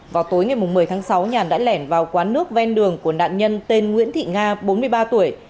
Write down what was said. vào tối ngày một mươi tháng sáu nhàn đã lẻn vào quán nước ven đường của nạn nhân tên nguyễn thị nga bốn mươi ba tuổi